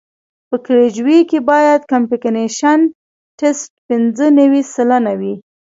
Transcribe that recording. په کیریج وې کې باید کمپکشن ټسټ پینځه نوي سلنه وي